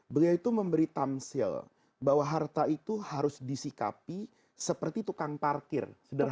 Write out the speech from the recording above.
beliau itu memberi tamsil bahwa harta itu harus disikapi seperti tukang parkir